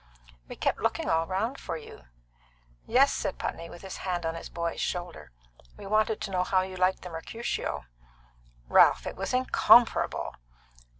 "We kept looking all round for you." "Yes," said Putney, with his hand on his boy's shoulder, "we wanted to know how you liked the Mercutio." "Ralph, it was incomparable!"